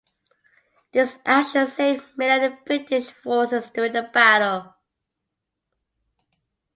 This action saved many of the British forces during the battle.